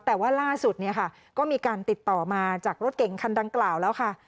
แต่ว่าล่าสุดเนี่ยค่ะก็มีการติดต่อมาจากรถเก่งคันดังกล่าวแล้วค่ะ